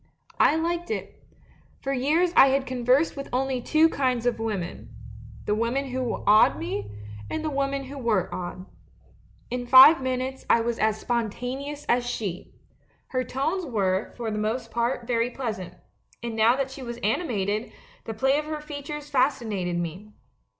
' "I liked it. For years I had conversed with only two kinds of women — the women who awed me, and the women who were awed. In five min utes I was as spontaneous as she. Her tones were, for the most part, very pleasant, and now that she was animated, the play of her features fascinated me.